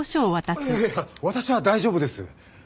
いやいや私は大丈夫です。